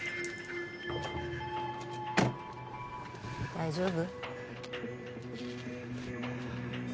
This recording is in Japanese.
大丈夫？